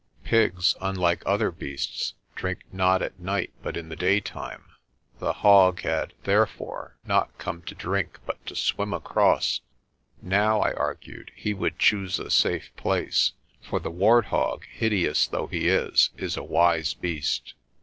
Pigs, unlike other beasts, drink not at night but in the daytime. The hog had, therefore, not come to drink but to swim across. Now, I argued, he would choose a safe place for the wart hog, hideous though he is, is a wise beast.